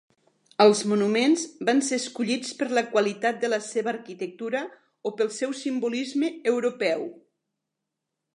Els monuments van ser escollits per la qualitat de la seva arquitectura o pel seu simbolisme europeu.